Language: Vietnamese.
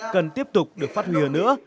cần tiếp tục được phát huy ở nữa